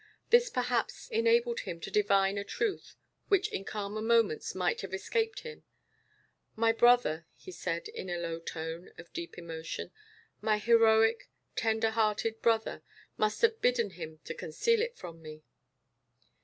This perhaps enabled him to divine a truth which in calmer moments might have escaped him. "My brother," he said, in a low tone of deep emotion, "my heroic, tender hearted brother must have bidden him conceal it from me."